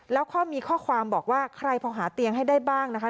แล้วก็มีข้อความบอกว่าใครพอหาเตียงให้ได้บ้างนะคะ